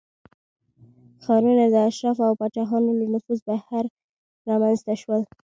ښارونه د اشرافو او پاچاهانو له نفوذ بهر رامنځته شول